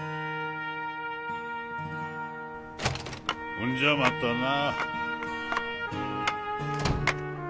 ほんじゃまたな。